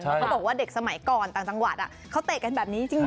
เขาบอกว่าเด็กสมัยก่อนต่างจังหวัดเขาเตะกันแบบนี้จริง